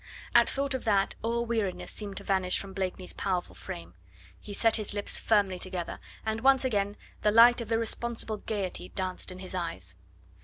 At thought of that all weariness seemed to vanish from Blakeney's powerful frame. He set his lips firmly together, and once again the light of irresponsible gaiety danced in his eyes.